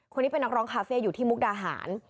คนนี้เป็นนักร้องคาเฟ่อยู่ที่มุกดาหาร